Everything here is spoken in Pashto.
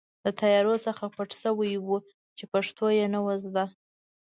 د طیارو څخه پټ شوي وو چې پښتو یې نه وه زده.